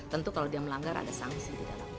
tentu kalau dia melanggar ada sanksi